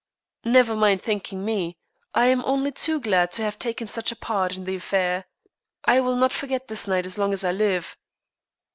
"Never mind thanking me. I am only too glad to have taken such a part in the affair. I will not forget this night as long as I live."